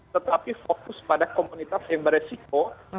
tetapi fokus pada komunitas yang beresiko